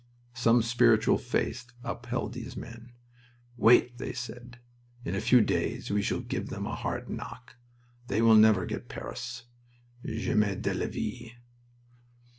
Some spiritual faith upheld these men. "Wait," they said. "In a few days we shall give them a hard knock. They will never get Paris. Jamais de la vie!"...